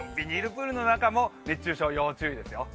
プールの中も熱中症、要注意ですよ。